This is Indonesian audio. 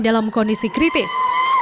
dalam kondisi kritis